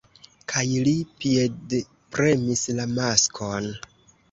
kaj li piedpremis la maskon.